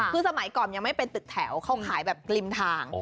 คือสมัยก่อนยังไม่เป็นตึกแถวเขาขายแบบริมทาง